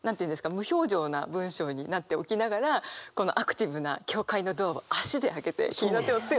無表情な文章になっておきながらこのアクティブな「教会のドアを足で開けて君の手を強く握って」って。